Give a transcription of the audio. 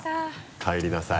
帰りなさい。